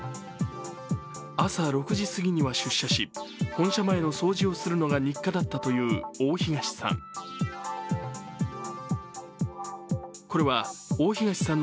朝６時すぎには出社し本社前の掃除をするのが日課だったという大東さん。